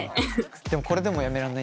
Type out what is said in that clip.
でもこれでもやめらんないんだよな。